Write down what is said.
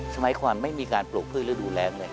สมัยที่ของเขาไม่มีการโปลกพื้นรูปรูกแรงเลย